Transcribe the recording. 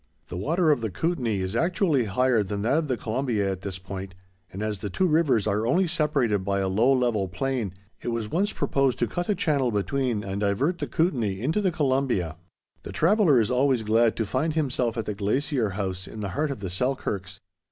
The water of the Kootanie is actually higher than that of the Columbia at this point, and as the two rivers are only separated by a low, level plain, it was once proposed to cut a channel between, and divert the Kootanie into the Columbia. [Illustration: GLACIER HOUSE.] The traveller is always glad to find himself at the Glacier House in the heart of the Selkirks.